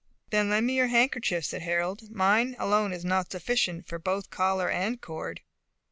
"Then lend me your handkerchief," said Harold; "mine alone is not sufficient for both collar and cord."